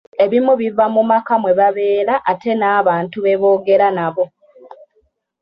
Ebimu biva mu maka mwe babeera ate n'abantu be boogera nabo.